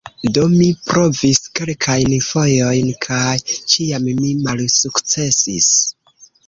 Do mi provis kelkajn fojojn, kaj ĉiam mi malsukcesis.